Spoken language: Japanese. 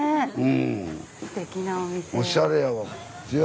おしゃれやわ。